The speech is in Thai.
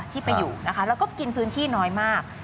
ที่ไปอยู่นะคะแล้วก็กินพื้นที่น้อยมาก